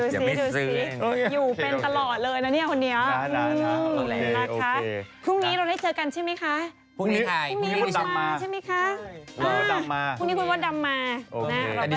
จะไม่ซื้ออย่าเพื่อก่อการเพราะเห็นบขไปแถมทองเต็มเกาหลี